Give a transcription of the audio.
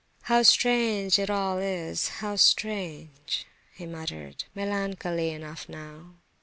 "How strange it all is! how strange!" he muttered, melancholy enough now.